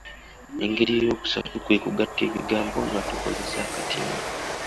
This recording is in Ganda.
Engeri eyookusatu kwe kugatta ebigambo nga tukozesa akatindo.